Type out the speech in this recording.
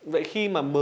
vậy khi mà mượn